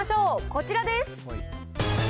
こちらです。